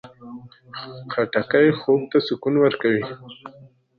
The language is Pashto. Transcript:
خټکی خوب ته سکون ورکوي.